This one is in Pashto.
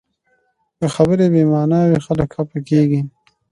که خبرې بې معنا وي، خلک خفه کېږي